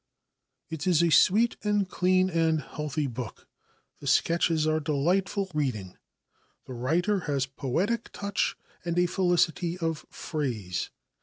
It is a sweet, and clean, and healthy book. The sketches are delightful reading. The writer has poetic touch and a felicity of phrase.